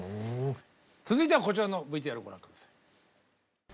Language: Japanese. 続いてはこちらのＶＴＲご覧下さい。